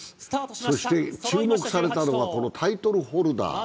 そして注目されたのはタイトルホルダー。